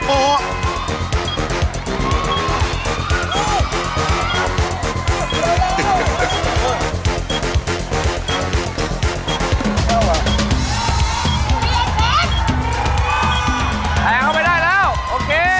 เข้าไปได้แล้วโอเค